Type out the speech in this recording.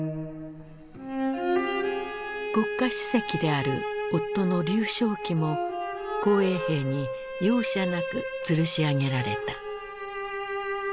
国家主席である夫の劉少奇も紅衛兵に容赦なくつるし上げられた。